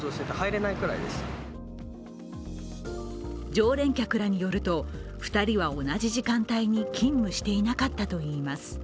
常連客らによると、２人は同じ時間帯に勤務していなかったといいます。